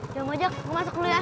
ya mojok gue masuk dulu ya